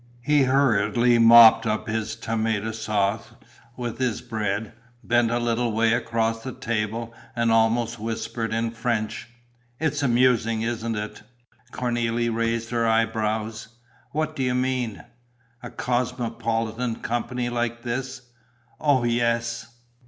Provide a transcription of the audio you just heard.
He hurriedly mopped up his tomato sauce with his bread, bent a little way across the table and almost whispered, in French: "It's amusing, isn't it?" Cornélie raised her eyebrows: "What do you mean?" "A cosmopolitan company like this." "Oh, yes!"